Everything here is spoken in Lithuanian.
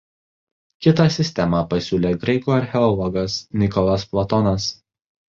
Kitą sistemą pasiūlė graikų archeologas Nikolas Platonas.